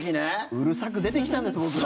うるさく出てきたんです僕ら。